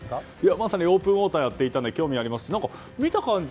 まさにオープンウォーターをやっていたので興味もあるし何か見た感じ